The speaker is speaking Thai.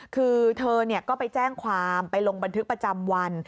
คือเธอก็ไปแจ้งความไปลงบันทึกประจำวัน